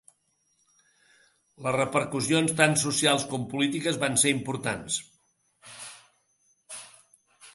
Les repercussions tant socials com polítiques van ser importats.